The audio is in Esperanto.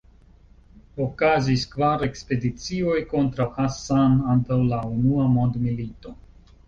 Okazis kvar ekspedicioj kontraŭ Hassan antaŭ la Unua Mondmilito.